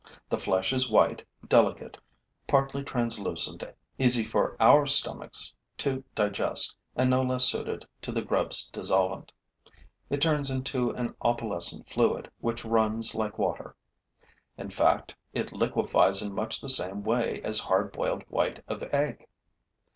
The flesh is white, delicate, partly translucent, easy for our stomachs to digest and no less suited to the grub's dissolvent. It turns into an opalescent fluid, which runs like water. In fact, it liquefies in much the same way as hard boiled white of egg.